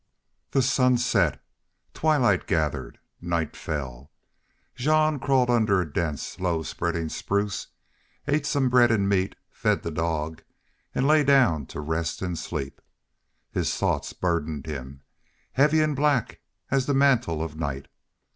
The sun set, twilight gathered, night fell. Jean crawled under a dense, low spreading spruce, ate some bread and meat, fed the dog, and lay down to rest and sleep. His thoughts burdened him, heavy and black as the mantle of night.